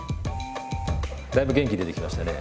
だいぶ元気出てきましたね。